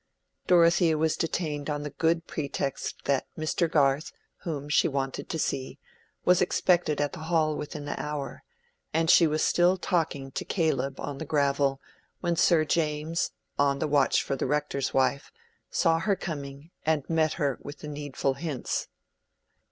Dorothea was detained on the good pretext that Mr. Garth, whom she wanted to see, was expected at the hall within the hour, and she was still talking to Caleb on the gravel when Sir James, on the watch for the rector's wife, saw her coming and met her with the needful hints.